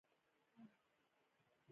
دوی د نجونو د حقونو خبرې نه کوي.